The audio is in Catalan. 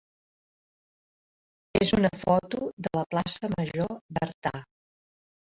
és una foto de la plaça major d'Artà.